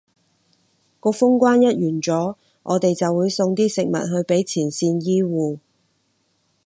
個封關一完咗，我哋就會送啲食物去畀啲前線醫護